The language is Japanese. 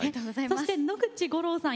そして野口五郎さん